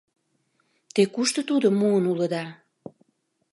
Те кушто тудым муын улыда?